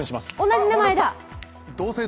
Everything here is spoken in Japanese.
同じ名前だ！